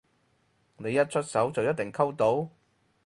你一出手就一定溝到？